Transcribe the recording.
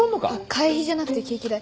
会費じゃなくてケーキ代。